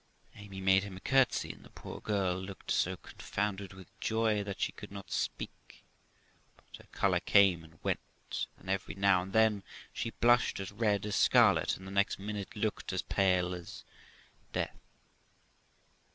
Amy made him a curtsey, and the poor girl looked so confounded with joy that she could not speak, but her colour came and went, and every now and then she blushed as red as scarlet, and the next minute looked as pale as death.